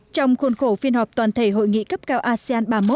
trong khuôn khổ phiên họp toàn thể hội nghị cấp cao asean ba mươi một